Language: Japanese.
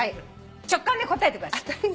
直感で答えてください。